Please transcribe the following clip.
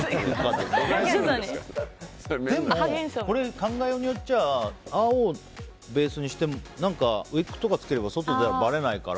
でも、考えようによっちゃ青をベースにして何かウィッグとかつければ外だとばれないから。